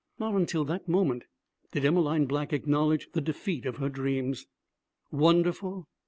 Not until that moment did Emmeline Black acknowledge the defeat of her dreams. Wonderful!